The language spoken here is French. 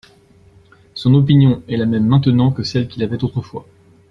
Son opinion est la même maintenant que celle qu'il avait autrefois.